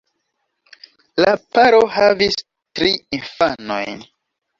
La paro havis tri infanojn.